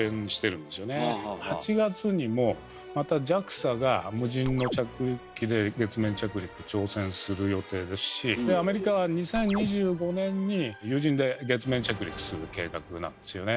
８月にもまたＪＡＸＡが無人の着陸機で月面着陸挑戦する予定ですしでアメリカは２０２５年に有人で月面着陸する計画なんですよね。